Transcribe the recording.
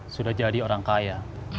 sudah jadi orang kaya